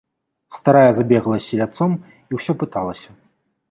Старая забегала з селядцом і ўсё пыталася.